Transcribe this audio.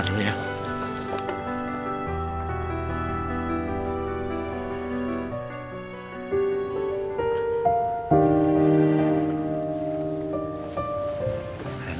aku udah mikir disini